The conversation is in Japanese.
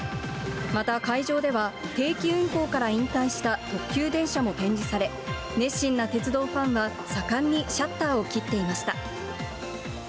また会場では、定期運行から引退した特急電車も展示され、熱心な鉄道ファンが、盛んにシャッターを切っていました。